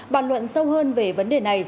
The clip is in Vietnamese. bàn luận sâu hơn về vấn đề này